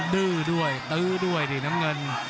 ดื้อด้วยตื้อด้วยนี่น้ำเงิน